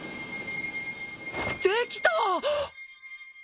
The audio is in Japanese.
できた！